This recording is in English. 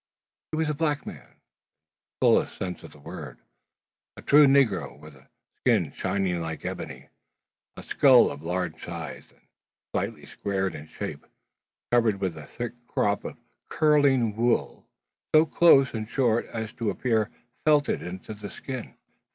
He was a black man, in the fullest sense of the word; a true negro, with a skin shining like ebony; a skull of large size, and slightly square in shape, covered with a thick crop of curling wool, so close and short as to appear felted into the skin.